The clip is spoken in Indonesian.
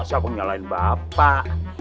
siapa nyalahin bapak